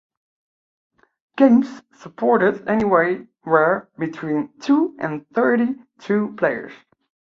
Games supported anywhere between two and thirty-two players.